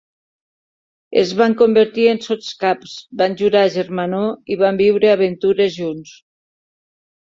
Es van convertir en sotscaps, van jurar germanor i van viure aventures junts.